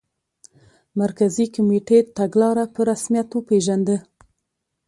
مرکزي کمېټې تګلاره په رسمیت وپېژنده.